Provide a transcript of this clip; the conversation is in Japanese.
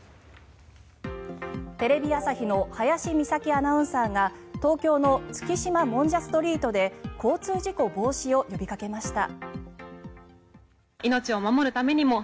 テレビ朝日の林美沙希アナウンサーが東京の月島もんじゃストリートで交通事故防止を呼びかけました。